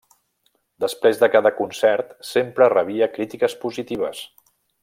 Després de cada concert sempre rebia crítiques positives.